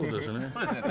そうですね。